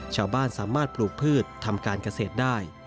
สามารถปลูกพืชทำการเกษตรได้